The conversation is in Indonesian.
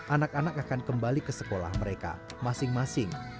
anak anak akan kembali ke sekolah mereka masing masing